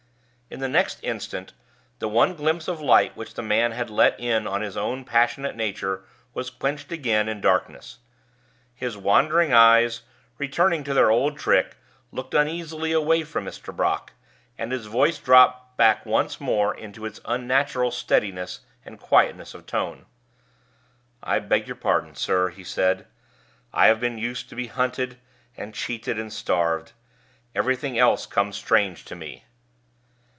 In the next instant, the one glimpse of light which the man had let in on his own passionate nature was quenched again in darkness. His wandering eyes, returning to their old trick, looked uneasily away from Mr. Brock, and his voice dropped back once more into its unnatural steadiness and quietness of tone. "I beg your pardon, sir," he said. "I have been used to be hunted, and cheated, and starved. Everything else comes strange to me."